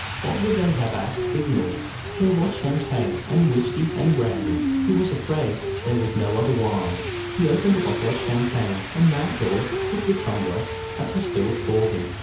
What would they have, asked Vignolles. There was champagne, and whiskey, and brandy. He was afraid there was no other wine. He opened a bottle of champagne, and Mountjoy took the tumbler that was filled for him.